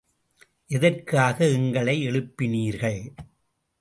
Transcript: எதற்காக எங்களை எழுப்பினார்கள்?